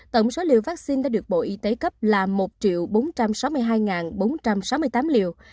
tổng số liều vaccine đã được bộ y tế cấp là một bốn trăm sáu mươi hai bốn trăm sáu mươi tám liều